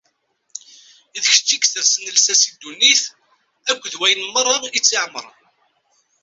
D kečč i isersen lsas i ddunit akked wayen meṛṛa i tt-iɛemṛen.